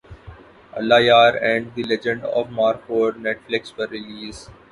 اللہ یار and the legend of Markhor Netflix پر release